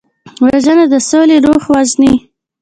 وژنه د سولې روح وژني